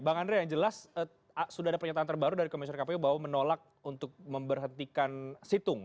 bang andre yang jelas sudah ada pernyataan terbaru dari komisioner kpu bahwa menolak untuk memberhentikan situng